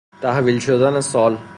تحویل شدن سال